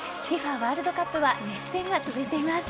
ワールドカップは熱戦が続いています。